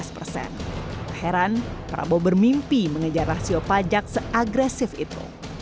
keheran prabowo bermimpi mengejar rasio pajak se agresif itu